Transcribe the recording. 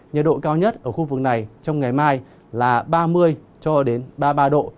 nhiệt độ cao nhất ở khu vực này trong ngày mai là ba mươi ba mươi ba độ